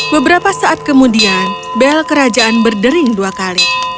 beberapa saat kemudian bel kerajaan berdering dua kali